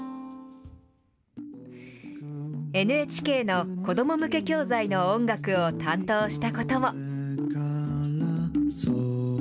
ＮＨＫの子ども向け教材の音楽を担当したことも。